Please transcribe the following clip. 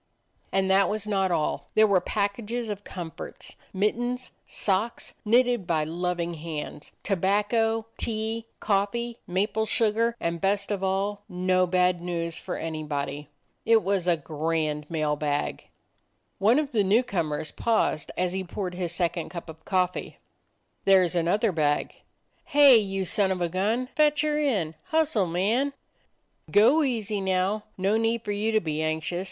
And that was not all: there were packages of comforts; mittens, socks, knitted by loving hands; tobacco, tea, coffee, maple sugar; and, best of all, no bad news for anybody. It was a grand mail bag. One of the new comers paused as he poured his second cup of coffee: "There 's another bag." "Hey, you son of a gun ! Fetch her in. Hustle, man!" "Go easy now. No need for you to be anxious.